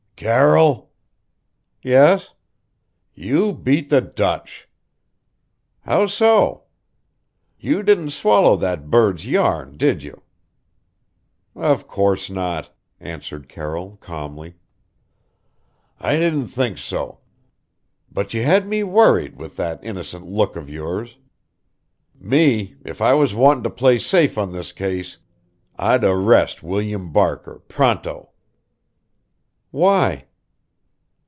"Carroll?" "Yes?" "You beat the Dutch!" "How so?" "You didn't swallow that bird's yarn, did you?" "Of course not," answered Carroll calmly. "I didn't think so; but you had me worried, with that innocent look of yours. Me, if I was wantin' to play safe on this case, I'd arrest William Barker pronto." "Why?"